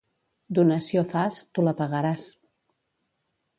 Donació fas, tu la pagaràs.